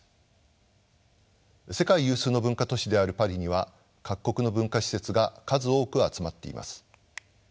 世界有数の文化都市であるパリには各国の文化施設が数多く集まっています。